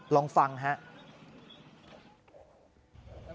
ลองฟังครับ